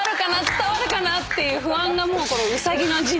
伝わるかな？っていう不安が「うさぎ」の字に。